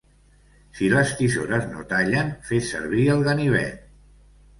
Si les tisores no tallen, fes servir el ganivet.